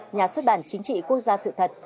nhà xuất bản chính trị quốc gia sự thật